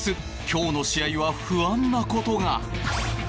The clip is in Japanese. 今日の試合は不安なことが。